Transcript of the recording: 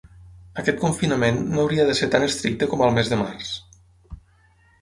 Aquest confinament no hauria de ser tan estricte com al mes de març.